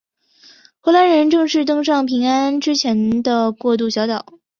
荷兰人正式登上安平之前的过渡小岛。